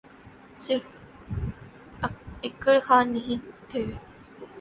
صرف اکڑ خان نہیں تھے۔